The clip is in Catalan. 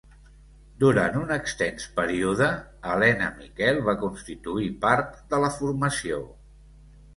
Durant un extens període Helena Miquel va constituir part de la formació.